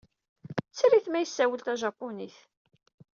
Tter-it ma yessawal tajapunit.